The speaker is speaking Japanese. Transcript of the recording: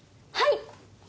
はい！